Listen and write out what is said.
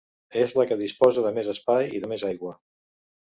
És la que disposa de més espai i de més aigua.